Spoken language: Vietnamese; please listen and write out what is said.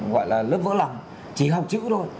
gọi là lớp vỡ lòng chỉ học chữ thôi